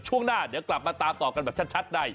ช่วงหน้าเดี๋ยวกลับมาตามต่อกันแบบชัดใน